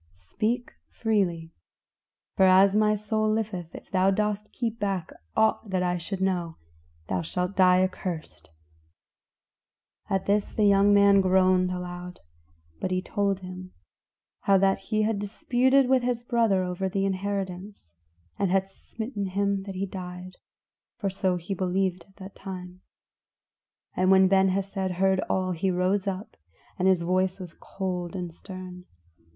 Speak freely, for as my soul liveth, if thou dost keep back aught that I should know, thou shalt die accursed!" At this the young man groaned aloud; but he told him how that he had disputed with his brother over the inheritance, and had smitten him that he died for so he believed at the time. And when Ben Hesed heard all he rose up, and his voice was cold and stern.